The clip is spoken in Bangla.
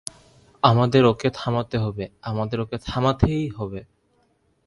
আমাদের ওকে থামাতে হবে, আমাদের ওকে থামাতেই হবে।